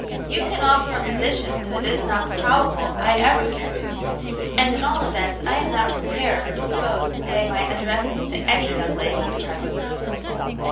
You can offer a position that it is* not probable I ever can do ; and at all events I am not prepared or disposed to pay my addresses to any young lady at present."